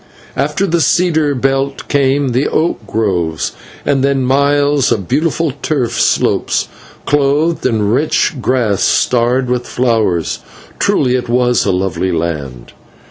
After the cedar belt came the oak groves, and then miles of beautiful turf slopes, clothed in rich grass starred with flowers. Truly it was a lovely land.